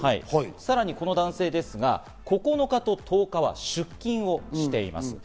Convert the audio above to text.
さらにこの男性ですが９日と１０日は出勤をしています。